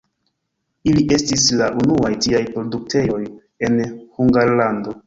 Ili estis la unuaj tiaj produktejoj en Hungarlando.